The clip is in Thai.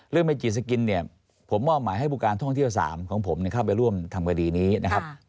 เมจีสกินเนี่ยผมมอบหมายให้ผู้การท่องเที่ยว๓ของผมเข้าไปร่วมทำคดีนี้นะครับ